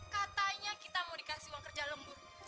katanya kita mau dikasih uang kerja lembur